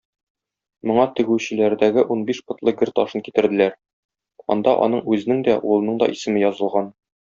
Моңа тегүчеләрдәге унбиш потлы гер ташын китерделәр, анда аның үзенең дә, улының да исеме язылган.